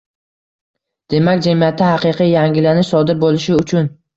Demak jamiyatda haqiqiy yangilanish sodir bo‘lishi uchun